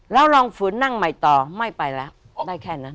แล้วลองฝืนนั่งใหม่ต่อไม่ไปแล้วได้แค่นั้น